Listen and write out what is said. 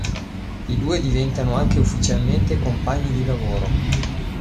I due diventano anche ufficialmente compagni di lavoro.